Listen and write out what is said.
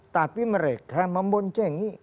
tapi mereka memboncengi